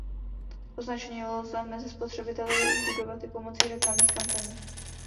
Označení lze mezi spotřebiteli budovat i pomocí reklamních kampaní.